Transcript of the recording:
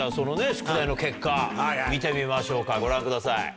宿題の結果見てみましょうかご覧ください。